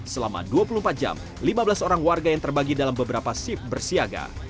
selama dua puluh empat jam lima belas orang warga yang terbagi dalam beberapa sip bersiaga